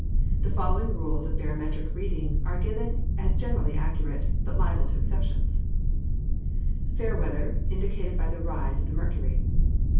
The following rules of barometric reading are given as generally accurate, but liable to exceptions: Fair weather indicated by the rise of the mercury.